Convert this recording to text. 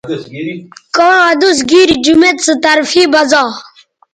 کاں ادوس گیری جمیت سو طرفے بزا